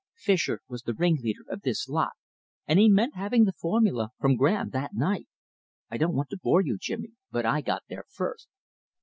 Fischer was the ringleader of this lot, and he meant having the formula from Graham that night. I don't want to bore you, Jimmy, but I got there first."